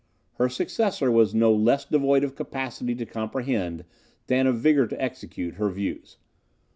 Her successor was no less devoid of capacity to comprehend, than of vigour to execute, her views.